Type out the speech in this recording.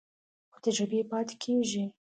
خو تجربې پاتې کېږي.